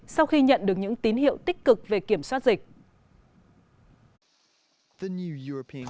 sau khi nhận được những tín hiệu tích cực về kiểm soát dịch